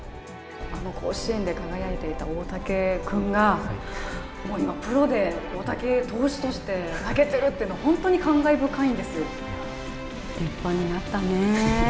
あの甲子園で輝いていた大竹君が今、プロで大竹投手として投げているというのは本当に感慨深いんです。